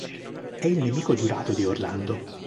È il nemico giurato di Orlando.